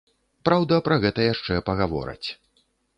Праўда, пра гэта яшчэ пагавораць.